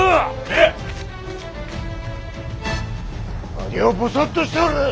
何をぼさってしておる！